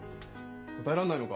答えられないのか？